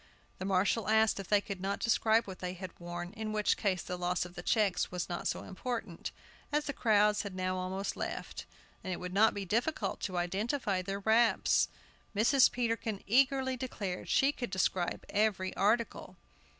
The marshal asked if they could not describe what they had worn, in which case the loss of the checks was not so important, as the crowds had now almost left, and it would not be difficult to identify their wraps. Mrs. Peterkin eagerly declared she could describe every article.